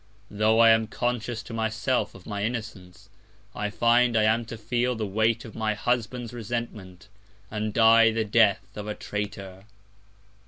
Tho' I am conscious to myself of my Innocence, I find I am to feel the Weight of my Husband's Resentment, and die the Death of a Traitor.